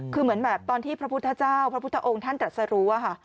คือเหมือนแบบตอนที่พระพุทธเจ้าพระพุทธองค์ท่านตรัสรู้อะค่ะ